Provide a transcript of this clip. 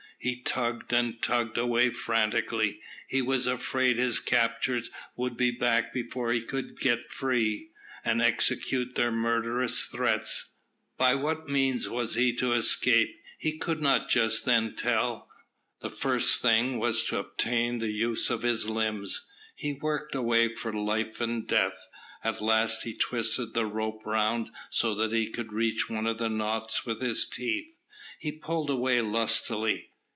He tugged and tugged away frantically. He was afraid his captors would be back before he could get free, and execute their murderous threats. By what means he was to escape, he could not just then tell. The first thing was to obtain the use of his limbs. He worked away for life and death. At last he twisted the rope round so that he could reach one of the knots with his teeth. He pulled away lustily.